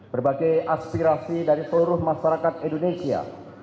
berbagai aspirasi dari seluruh masyarakat indonesia